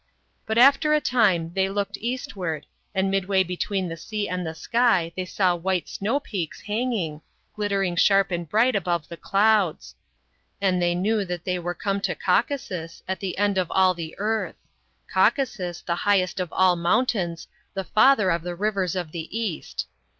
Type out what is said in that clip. " But after a time they looked eastward, and mid way between the sea and the sky they saw white know peaks hanging, glittering sharp and bright above the clouds. And they knew that they were come to Caucasus, at the end of all the earth ; Caucasus, the highest of all mountains, the father of the rivers of the East.